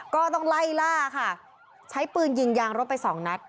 ก็ต้องไล่ล่าค่ะใช้ปืนยิงยางรถไปสองนัด